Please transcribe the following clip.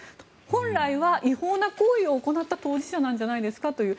本来は違法な行為を行った当事者なんじゃないですかっていう。